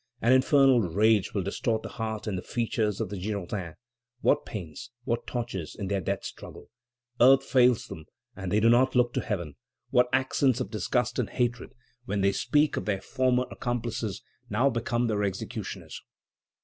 An infernal rage will distort the heart and the features of the Girondins. What pains, what tortures, in their death struggle! Earth fails them, and they do not look to heaven. What accents of disgust and hatred when they speak of their former accomplices, now become their executioners!